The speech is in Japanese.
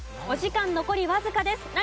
お時間残りわずかです。